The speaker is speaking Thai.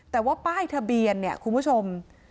แต่ว่าป้ายทะเบียนเนี่ยคุณผู้ชม